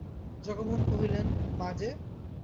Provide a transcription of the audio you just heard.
জগমোহন কহিলেন, মা যে!